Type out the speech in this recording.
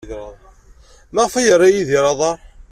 Maɣef ay yerra Yidir aḍar?